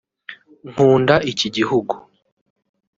nkunda iki gihugu